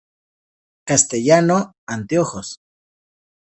Castellano: Anteojos